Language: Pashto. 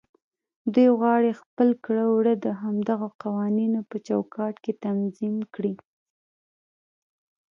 دوی غواړي خپل کړه وړه د همدغو قوانينو په چوکاټ کې تنظيم کړي.